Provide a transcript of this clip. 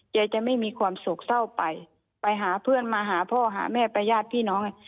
จะไม่มีความโศกเศร้าไปไปหาเพื่อนมาหาพ่อหาแม่ไปญาติพี่น้องไง